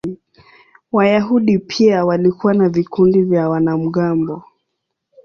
Wayahudi pia walikuwa na vikundi vya wanamgambo.